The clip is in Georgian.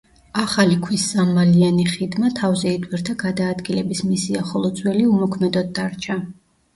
ახალი ქვის სამმალიანი ხიდმა თავზე იტვირთა გადაადგილების მისია ხოლო ძველი უმოქმედოდ დარჩა.